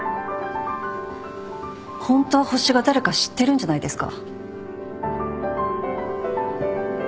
ホントはホシが誰か知ってるんじゃないですか？